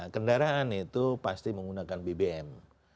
kendaraan itu pasti menggunakan bbm